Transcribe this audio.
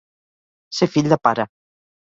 Ser fill de pare.